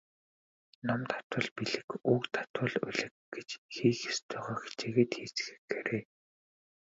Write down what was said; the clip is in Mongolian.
Ном давтвал билиг, үг давтвал улиг гэж хийх ёстойгоо хичээгээд хийцгээгээрэй.